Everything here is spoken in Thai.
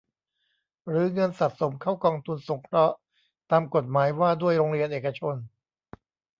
หรือเงินสะสมเข้ากองทุนสงเคราะห์ตามกฎหมายว่าด้วยโรงเรียนเอกชน